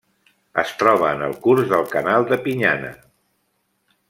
Es troba en el curs del canal de Pinyana.